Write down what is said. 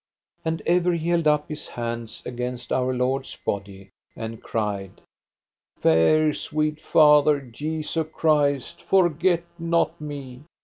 And ever he held up his hands against Our Lord's body, and cried: Fair, sweet Father, Jesu Christ, forget not me.